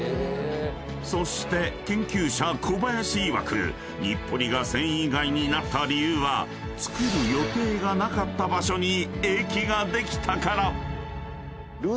［そして研究者小林いわく日暮里が繊維街になった理由は造る予定がなかった場所に駅ができたから］